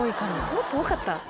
もっと多かった？